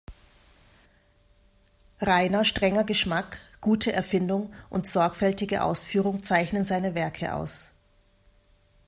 Reiner, strenger Geschmack, gute Erfindung und sorgfältige Ausführung zeichnen seine Werke aus.